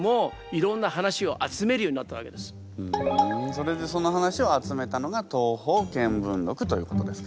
それでその話を集めたのが「東方見聞録」ということですか。